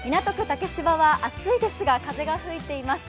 竹芝は暑いですが風が吹いています。